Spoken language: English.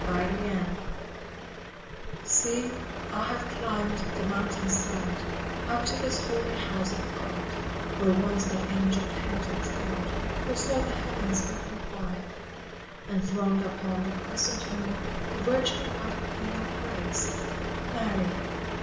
SAN MINIATO SEE, I have climbed the mountainside Up to this holy house of God, Where once that Angel Painter trod Who saw the heavens opened wide, And throned upon the crescent moon The Virginal white Queen of Grace, — Mary